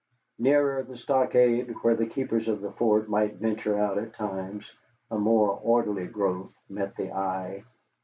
Nearer the stockade, where the keepers of the fort might venture out at times, a more orderly growth met the eye.